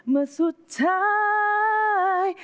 มาสุดท้าย